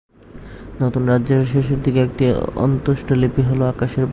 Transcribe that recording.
নতুন রাজ্যের শেষের দিকের একটি অন্ত্যেষ্টি লিপি হল আকাশের বই।